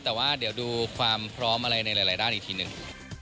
แต่ว่าเดี๋ยวดูความพร้อมอะไรในหลายด้านอีกทีหนึ่ง